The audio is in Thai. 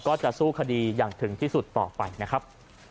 ก็จะสู้คดีอย่างถึงที่สุดต่อไปนะครับ